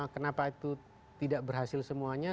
kenapa itu tidak berhasil semuanya